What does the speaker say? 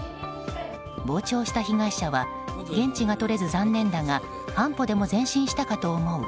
傍聴した被害者は言質が取れず残念だが半歩でも前進したかと思う。